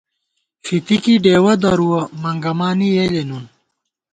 فِتِکی ڈېوَہ درُوَہ، منگمانی یېلے نُون